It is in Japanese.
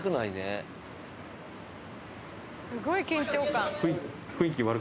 すごい緊張感。